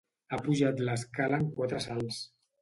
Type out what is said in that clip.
Ha pujat l'escala en quatre salts.